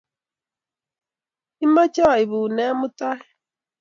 Imache aipun nee mutai?